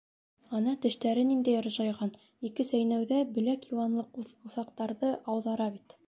Ана, тештәре ниндәй ыржайған: ике сәйнәүҙә беләк йыуанлыҡ уҫаҡтарҙы ауҙара бит.